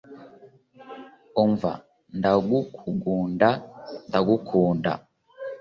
umva ndagukugunda ndagukunda